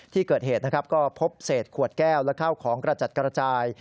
ที่เกิดเหตุนะครับก็พบเศษขวดแก้วและข้าวของกระจัดกระจาย